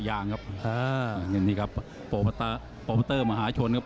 อย่างครับนี่ครับโปรเมตเตอร์โปรเมตเตอร์มหาชนครับ